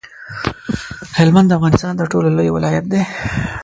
هلمند د افغانستان تر ټولو لوی ولایت دی.